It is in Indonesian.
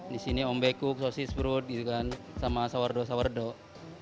di sini ombekuk sosis brud gitu kan sama sourdough sourdough